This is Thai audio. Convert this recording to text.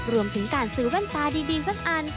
รวมถึงการซื้อแว่นตาดีสักอัน